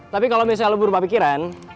tapi kalau misalnya berubah pikiran